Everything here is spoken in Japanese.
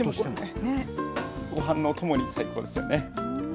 ごはんのおともに最高ですよね。